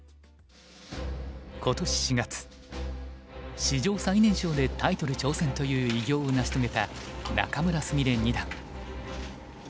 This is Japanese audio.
今年４月史上最年少でタイトル挑戦という偉業を成し遂げた仲邑菫二段。